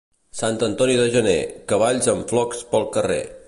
Sant Antoni de gener, cavalls amb flocs pel carrer.